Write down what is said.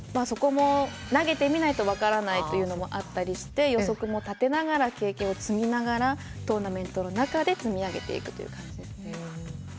そこも投げてみないと分からないというのもあったりして予測も立てながら経験を積みながらトーナメントの中で積み上げていくという感じですね。